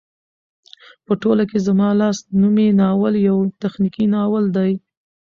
په ټوله کې زما لاس نومی ناول يو تخنيکي ناول دى